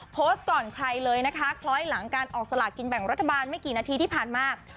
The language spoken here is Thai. โพสต์ก่อนใครเลยนะคะคล้อยหลังการออกสลากินแบ่งรัฐบาลไม่กี่นาทีที่ผ่านมา